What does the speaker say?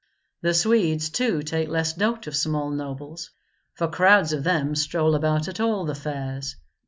The Swedes too take less note of small nobles, for crowds of them stroll about at all the fairs.